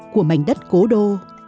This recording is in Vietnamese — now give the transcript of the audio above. của mảnh đất cố đô